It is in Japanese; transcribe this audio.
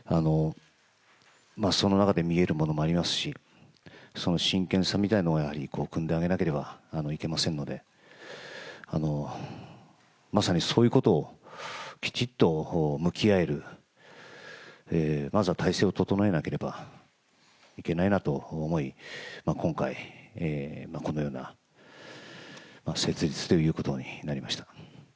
その中で見えるものもありますし、その真剣さみたいなものをやはりくんであげなければいけませんので、まさに、そういうことをきちっと向き合える、まずは体制を整えなければいけないなと思い、今回、このような設立ということになりました。